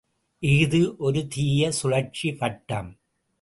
இஃது ஒரு தீய சுழற்சி வட்டம்!